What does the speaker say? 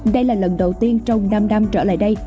đây là lần đầu tiên trong năm năm trở lại đây